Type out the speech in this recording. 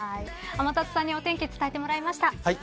天達さんにお天気を伝えてもらいました。